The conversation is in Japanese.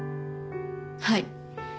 はい。